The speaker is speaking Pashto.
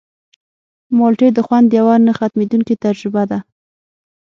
مالټې د خوند یوه نه ختمېدونکې تجربه ده.